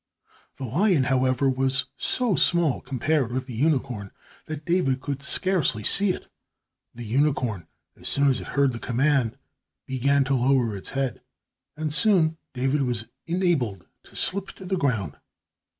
The lion, however, was so small compared with the unicorn that David could scarcely see it. The unicorn, as soon as it heard the command, began to lower its head, and soon David was enabled to slip to the ground.